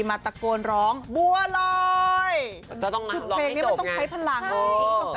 มาตะโกนร้องบัวลอยจะต้องมาร้องให้จบคือเพลงนี้มันต้องใช้พลังให้ใช่